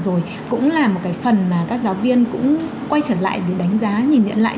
rồi cũng là một cái phần mà các giáo viên cũng quay trở lại để đánh giá nhìn nhận lại